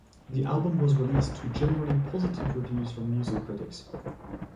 The album was released to generally positive reviews from music critics.